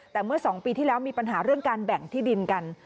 แต่เมื่อ๒ปีที่แล้วมีปัญหาเรื่องการแบ่งที่ดินกัน